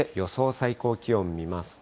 最高気温見ますと。